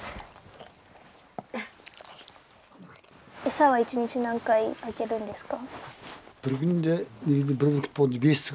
餌は１日何回あげるんですか？